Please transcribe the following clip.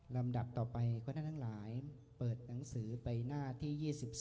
ลำดับต่อไปคนนั้นทั้งหลายเปิดหนังสือไปหน้าที่๒๒